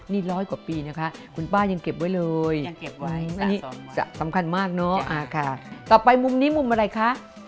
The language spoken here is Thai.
นี่ร้อยกว่าปีนะคะคุณป้ายังเก็บไว้เลยสำคัญมากเนอะค่ะต่อไปมุมนี้มุมอะไรคะ